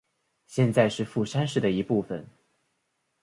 现在是富山市的一部分。